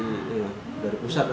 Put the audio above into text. iya dari pusat